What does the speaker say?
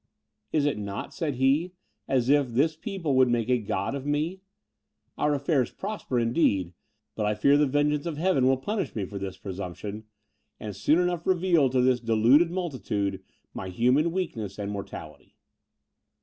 "Is it not," said he, "as if this people would make a God of me? Our affairs prosper, indeed; but I fear the vengeance of Heaven will punish me for this presumption, and soon enough reveal to this deluded multitude my human weakness and mortality!"